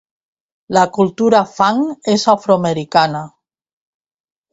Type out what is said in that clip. La cultura Fang és afroamericana.